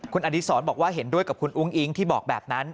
คุณอดีศรบอกว่าเห็นด้วยกับคุณอุ้งอิ๊งที่บอกแบบนั้น